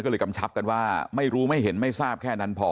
ก็เลยกำชับกันว่าไม่รู้ไม่เห็นไม่ทราบแค่นั้นพอ